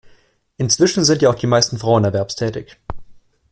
Inzwischen sind ja auch die meisten Frauen erwerbstätig.